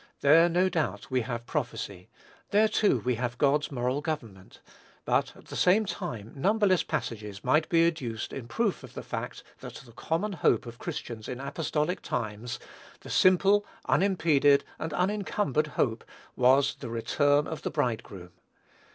There, no doubt, we have prophecy, there, too, we have God's moral government; but, at the same time, numberless passages might be adduced in proof of the fact that the common hope of Christians in apostolic times the simple, unimpeded, and unencumbered hope was, THE RETURN OF THE BRIDEGROOM.